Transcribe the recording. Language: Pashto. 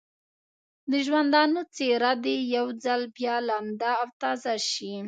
د ژوندانه څېره دې یو ځل بیا لمده او تازه شي.